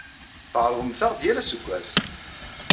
Tɛerrḍemt-aɣ-d yal aseggas.